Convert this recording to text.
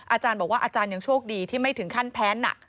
อาจารย์บอกว่าอาจารย์ยังโชคดีที่ไม่ถึงขั้นแพ้นหนัก